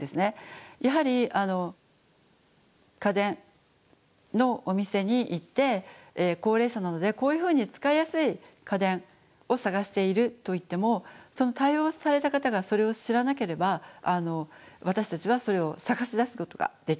やはり家電のお店に行って高齢者なのでこういうふうに使いやすい家電を探していると言ってもその対応された方がそれを知らなければ私たちはそれを探し出すことができない。